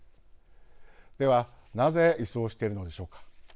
では、なぜ移送しているのでしょうか。